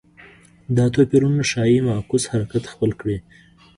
دا توپیرونه ښايي معکوس حرکت خپل کړي